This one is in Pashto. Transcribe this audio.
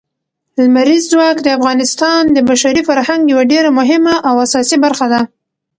لمریز ځواک د افغانستان د بشري فرهنګ یوه ډېره مهمه او اساسي برخه ده.